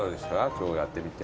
今日やってみて。